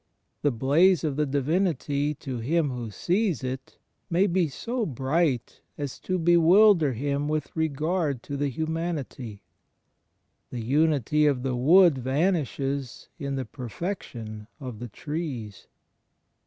The blaze of the Divinity to him who sees it may be so bright as to bewilder him with regard to the hxmianity. The unity of the wood vanishes in the perfection of the trees.